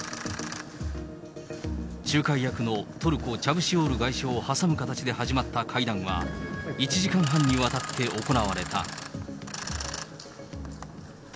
仲介役のトルコ、チャブシオール外相を挟む形で始まった会談は、１時間半にわたって行われた。